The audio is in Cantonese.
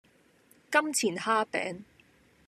金錢蝦餅